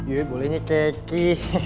ya bolehnya keki